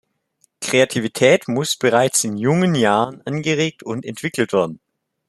Kreativität muss bereits in jungen Jahren angeregt und entwickelt werden.